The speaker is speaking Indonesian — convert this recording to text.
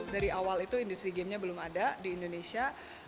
dari awal itu industri gamenya belum ada di indonesia